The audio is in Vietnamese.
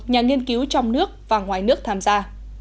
nhà nghiên cứu trong nước và ngoài nước tham gia